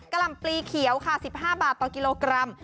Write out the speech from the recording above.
ลำปลีเขียวค่ะ๑๕บาทต่อกิโลกรัม